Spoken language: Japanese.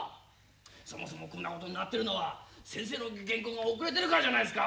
そもそもこんなことになってるのは先生の原稿が遅れてるからじゃないですか！